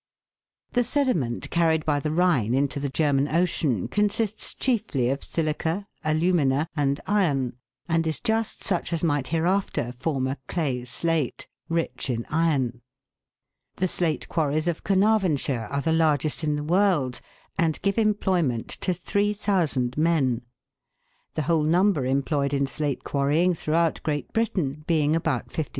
(Fig. 23.) The sediment carried by the Rhine into the German Ocean consists chiefly of silica, alumina, and iron, and is just such as might hereafter form a clay slate, rich in iron. i GREEN SLATES. 117 The slate quarries of Carnarvonshire are the largest in the world, and give employment to 3,000 men ; the whole number employed in slate quarrying throughout Great Britain being about 15,000.